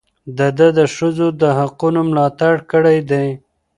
ده د ښځو د حقونو ملاتړ کړی دی.